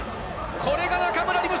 これが中村輪夢。